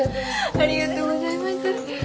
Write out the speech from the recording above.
ありがとうございます。